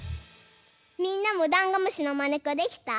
みんなもダンゴムシのまねっこできた？